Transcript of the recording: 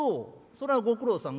それはご苦労さん。